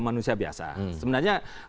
manusia biasa sebenarnya